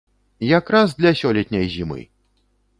Якраз для сёлетняй зімы!